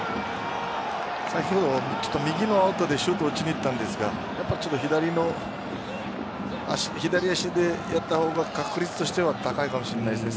先ほど右のアウトでシュートを打ちにいったんですが左足でやった方が確率としては高いかもしれないですね。